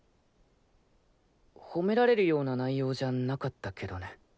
褒められるような内容じゃなかったけどね。